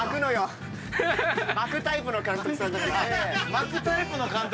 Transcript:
巻くタイプの監督？